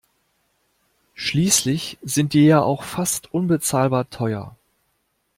Schließlich sind die ja auch fast unbezahlbar teuer.